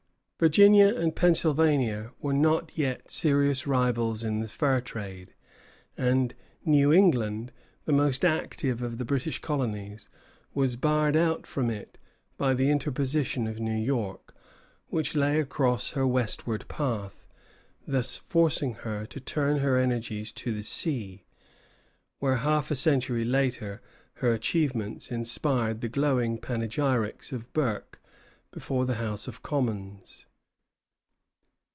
Virginia and Pennsylvania were not yet serious rivals in the fur trade; and New England, the most active of the British colonies, was barred out from it by the interposition of New York, which lay across her westward path, thus forcing her to turn her energies to the sea, where half a century later her achievements inspired the glowing panegyrics of Burke before the House of Commons.